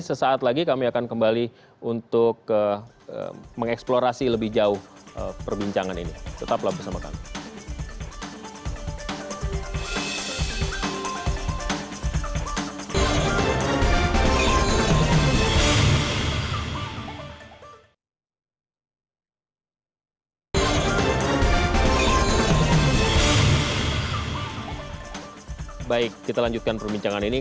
sesaat lagi kami akan kembali untuk mengeksplorasi lebih jauh perbincangan ini